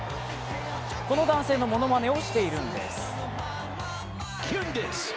この男性のものまねをしているんです。